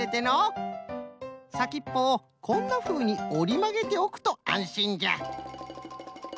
さきっぽをこんなふうにおりまげておくとあんしんじゃ。